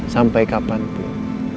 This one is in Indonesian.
sampai kapan pun